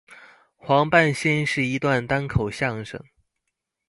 黄半仙是一段单口相声。